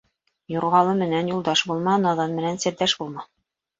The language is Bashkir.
Юрғалы менән юлдаш булма, наҙан менән серҙәш булма.